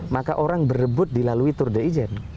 maka orang berebut dilalui tur de ijan